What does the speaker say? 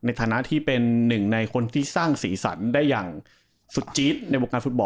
ในฐานะที่เป็นหนึ่งในคนที่สร้างสีสันได้อย่างสุดจี๊ดในวงการฟุตบอล